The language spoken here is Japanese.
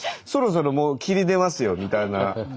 「そろそろもう霧出ますよ」みたいな。